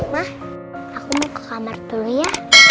wah aku mau ke kamar dulu ya